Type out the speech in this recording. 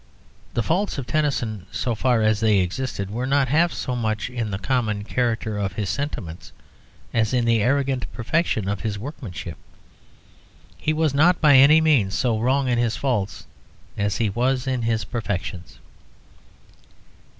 The faults of Tennyson, so far as they existed, were not half so much in the common character of his sentiments as in the arrogant perfection of his workmanship. He was not by any means so wrong in his faults as he was in his perfections.